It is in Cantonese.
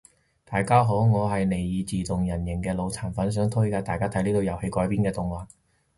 大家好我係尼爾自動人形嘅腦殘粉，想推介大家睇呢套遊戲改編嘅動畫